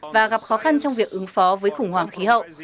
và gặp khó khăn trong việc ứng phó với khủng hoảng khí hậu